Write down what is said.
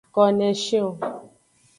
Koneshion.